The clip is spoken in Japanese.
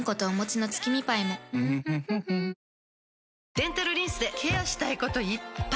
デンタルリンスでケアしたいこといっぱい！